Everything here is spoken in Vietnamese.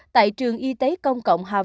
tại trường y tế công cộng học